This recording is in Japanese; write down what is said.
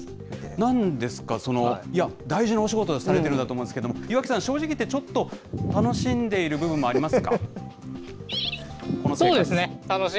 なんですか、いや、大事なお仕事をされてるんだと思いますけれども、岩城さん、正直言ってちょっと楽しんでいる部分もありまそうですね。